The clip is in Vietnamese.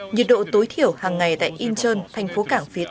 nhiệt độ tối thiểu hàng ngày tại incheon thành phố cảng việt